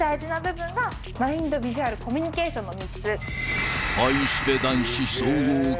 マインドビジュアルコミュニケーションの３つ。